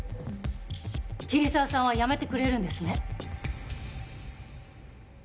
桐沢さんは辞めてくれるんですね？